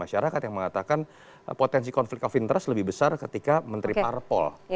masyarakat yang mengatakan potensi konflik of interest lebih besar ketika menteri parpol